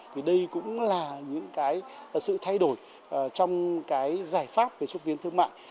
thì đây cũng là những cái sự thay đổi trong cái giải pháp về xúc tiến thương mại